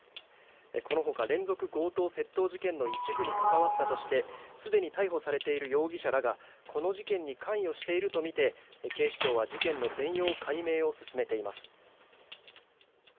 このほか、連続強盗・窃盗事件の一部に関わったとしてすでに逮捕されている容疑者らがこの事件に関与しているとみて警視庁は事件の全容解明を進めています。